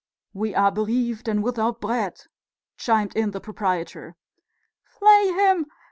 "We are bereaved and without bread!" chimed in the proprietor. "Flay him!